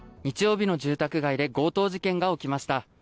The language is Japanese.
日曜日の住宅街で強盗事件が起きました。